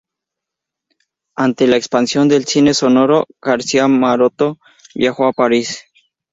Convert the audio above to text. Ante la expansión del cine sonoro, García Maroto viajó a París.